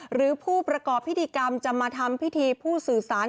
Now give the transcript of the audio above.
หรือผู้ประกอบพิธีกรรมจะมาทำพิธีผู้สื่อสาร